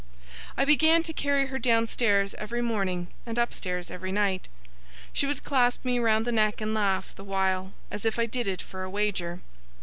I began to carry her downstairs every morning, and upstairs every night. She would clasp me round the neck and laugh, the while, as if I did it for a wager.